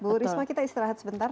bu risma kita istirahat sebentar